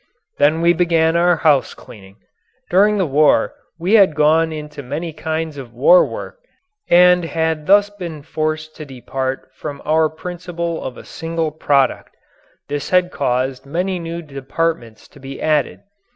Then we began our house cleaning. During the war we had gone into many kinds of war work and had thus been forced to depart from our principle of a single product. This had caused many new departments to be added.